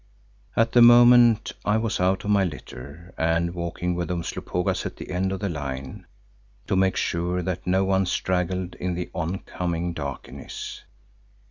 At the moment I was out of my litter and walking with Umslopogaas at the end of the line, to make sure that no one straggled in the oncoming darkness.